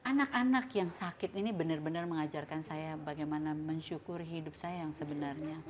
anak anak yang sakit ini benar benar mengajarkan saya bagaimana mensyukur hidup saya yang sebenarnya